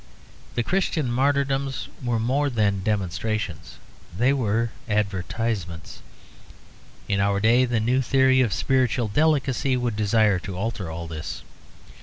The Christian martyrdoms were more than demonstrations: they were advertisements. In our day the new theory of spiritual delicacy would desire to alter all this.